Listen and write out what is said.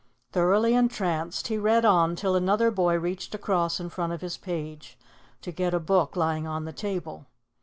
Thoroughly entranced, he read on till another boy reached across in front of his page to get a book lying on the table.